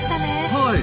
はい！